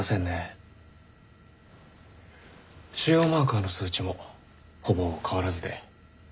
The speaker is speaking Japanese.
腫瘍マーカーの数値もほぼ変わらずで。